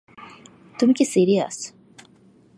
তুমি কি সিরিয়াস?